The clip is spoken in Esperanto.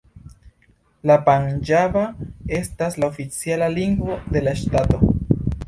La panĝaba estas la oficiala lingvo de la ŝtato.